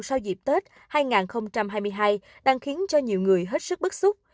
sau dịp tết hai nghìn hai mươi hai đang khiến cho nhiều người hết sức bức xúc